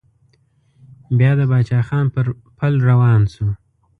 بيا د پاچا خان پر پل روان شو.